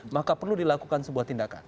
maka perlu dilakukan sebuah tindakan